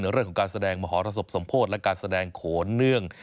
เรื่องของการแสดงมหรสบสมโพธิและการแสดงโขนเนื่อง